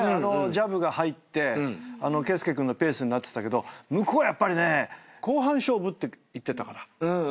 ジャブが入って圭佑君のペースになってたけど向こうはやっぱりね後半勝負って言ってたから。